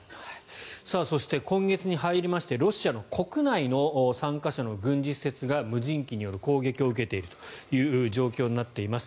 そして、今月に入ってロシア国内の３か所の軍事施設が無人機による攻撃を受けているという状況になっています。